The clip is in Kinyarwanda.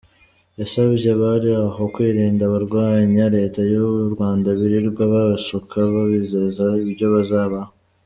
Yasabye abari aho kwirinda abarwanya Leta y’u Rwanda birirwa babashuka babizeza ibyo bazabaha.